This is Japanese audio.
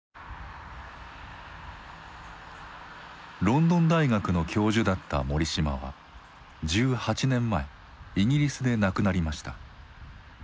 ロンドン大学の教授だった森嶋は１８年前イギリスで亡くなりました。